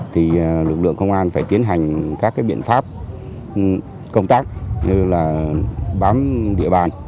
thì lực lượng công an phải tiến hành các biện pháp công tác như là bám địa bàn